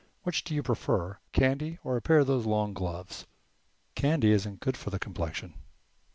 "Which do you prefer," he asked, "candy or a pair of those long gloves?" "Candy isn't good for the complexion."